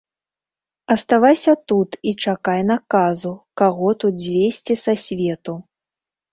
Аставайся тут і чакай наказу, каго тут звесці са свету.